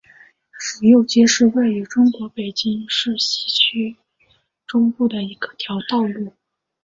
府右街是位于中国北京市西城区中部的一条道路。